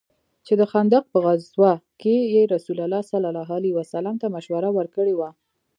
چې د خندق په غزوه كښې يې رسول الله ته مشوره وركړې وه.